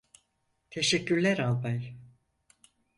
Teşekkürler Albay.